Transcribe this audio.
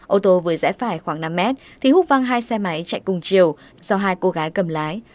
ô tô vừa rẽ phải khoảng năm m thì húc văng hai xe máy chạy cùng chiều do hai cô gái cầm lái